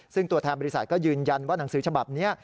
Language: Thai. ซึ่งตัวแทนบริษัทก็ยืนยันว่าหนังสือฉบับนี้